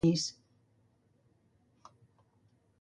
Què va fer Hermes amb Dionís?